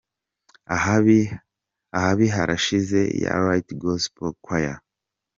Ahabi harashize ya Light Gospel Choir.